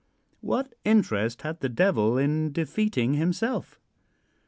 What interest had the Devil in defeating himself?